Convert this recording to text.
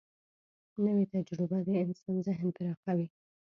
نوې تجربه د انسان ذهن پراخوي